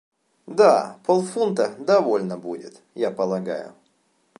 Да полфунта довольно будет, я полагаю.